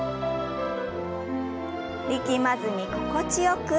力まずに心地よく。